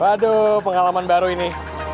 waduh pengalaman baru ini